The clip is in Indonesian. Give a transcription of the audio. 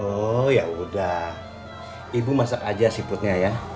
oh yaudah ibu masak aja seafoodnya ya